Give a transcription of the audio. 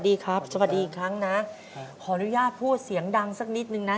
ดีครับสวัสดีอีกครั้งนะขออนุญาตพูดเสียงดังสักนิดนึงนะ